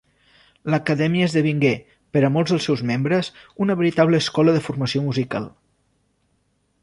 L’Acadèmia esdevingué, per a molts dels seus membres, una veritable escola de formació musical.